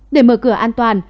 để mở cửa an toàn